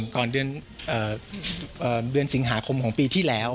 ก่อนเดือนสิงหาคมของปีที่แล้ว